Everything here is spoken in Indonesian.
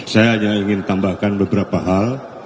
saya hanya ingin tambahkan beberapa hal